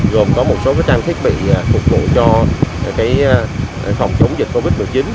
gồm có một số trang thiết bị phục vụ cho phòng chống dịch covid một mươi chín